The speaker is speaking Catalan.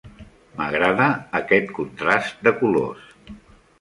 M'agrada aquest contrast de colors.